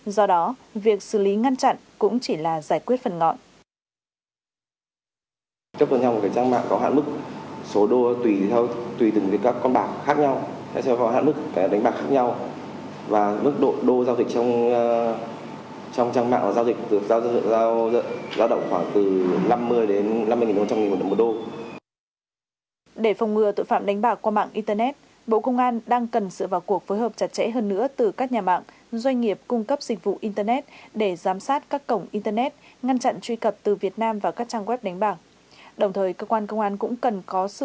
do đó việc xử lý ngăn chặn cũng chỉ là giải quyết phần ngọn